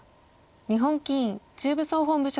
日本棋院中部総本部所属。